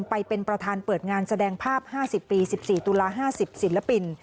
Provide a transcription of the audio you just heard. ไปเป็นประธานเปิดงานแสดงภาพ๕๐ปี๑๔ตุลา๕๐ศิลปิน